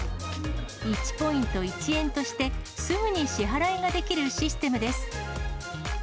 １ポイント１円として、すぐに支払いができるシステムです。